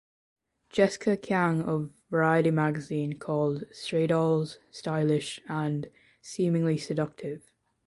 Jessica Kiang of "Variety" magazine called "Stray Dolls" "stylish" and "seemingly seductive".